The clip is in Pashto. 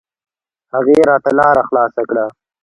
هغې راته لاره خلاصه کړه.